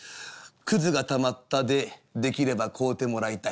くずがたまったでできれば買うてもらいたい」。